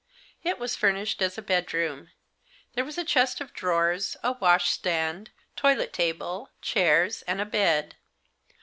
It was furnished as a bedroom. There was a chest of drawers, a washstand, toilet table, chairs, and a bed.